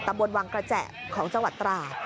บนวังกระแจของจังหวัดตราด